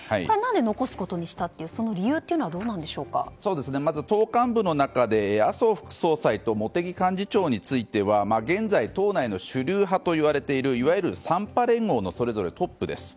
残すことにしたという理由はまず党幹部の中で麻生副総裁と茂木幹事長については現在、党内の主流派といわれている３派連合のそれぞれトップです。